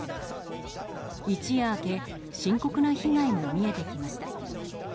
一夜明け深刻な被害も見えてきました。